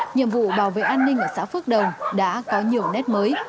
nhiệm vụ bảo vệ an ninh ở xã phước đồng đã có nhiều nét mới